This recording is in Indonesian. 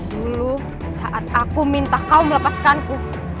dulu saat aku minta kau melepaskanku